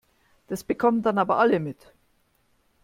Das bekommen dann aber alle mit.